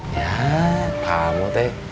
ya kamu teh